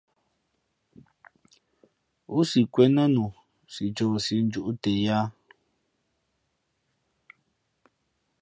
O si kwēn nά nu si ncohsi njūʼ nten yāā.